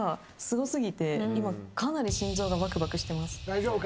大丈夫か。